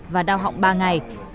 và đau họng ba ngày